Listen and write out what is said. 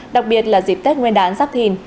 đặc biệt là dịp tết nguyên đán giáp thìn